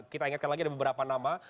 kita ingatkan lagi ada beberapa nama